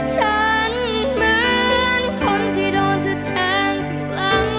ฉันเหมือนคนที่โดนจะแทงหลัง